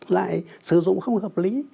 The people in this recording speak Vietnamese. lại sử dụng không hợp lý